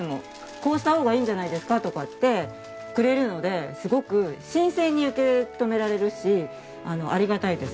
こうした方がいいんじゃないですか？とかってくれるのですごく新鮮に受け止められるしありがたいです